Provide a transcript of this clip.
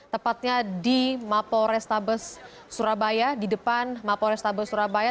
tepatnya di mapol restabes surabaya di depan mapo restabel surabaya